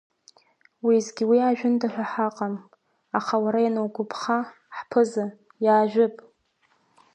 Уеизгьы уи аажәында ҳәа ҳаҟам, аха уара ианугәаԥха, ҳԥыза, иаажәып!